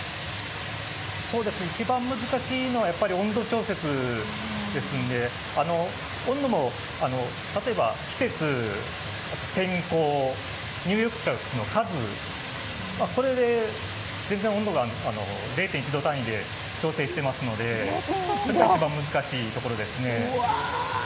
一番難しいのは温度調節ですので温度も例えば季節、天候、入浴客の数、これで全然温度が０．１度単位で調整していますのでそこが一番難しいところですね。